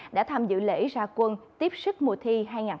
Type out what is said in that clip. đã tham dự lễ ra quân tiếp sức mùa thi hai nghìn một mươi chín